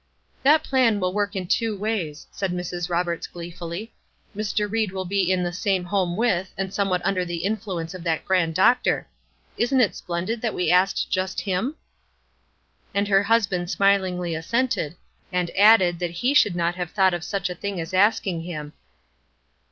"That plan will work in two ways," said Mrs. Roberts, gleefully. "Mr. Ried will be in the same home with, and somewhat under the influence of that grand doctor. Isn't it splendid that we asked just him?" And her husband smilingly assented, and added that he should not have thought of such a thing as asking him.